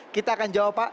kita akan jawab pak